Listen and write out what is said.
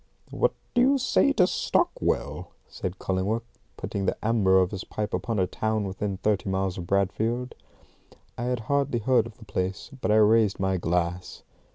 "What do you say to Stockwell?" said Cullingworth, putting the amber of his pipe upon a town within thirty miles of Bradfield. I had hardly heard of the place, but I raised my glass.